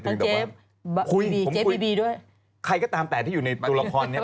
ทั้งเจ๊บีบีด้วยคุยผมคุยใครก็ตามแต่ที่อยู่ในตัวละครนี้